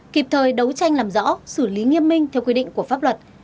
kịp thời đấu tranh làm rõ xử lý nghiêm minh theo quy định của pháp luật